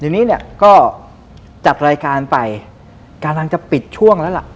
ทีนี้เนี่ยก็จัดรายการไปกำลังจะปิดช่วงแล้วล่ะ